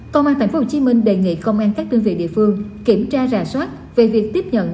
công an tp hcm đề nghị công an các đơn vị địa phương kiểm tra rà soát về việc tiếp nhận